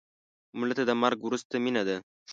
مړه ته د مرګ وروسته مینه ده